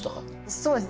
そうです。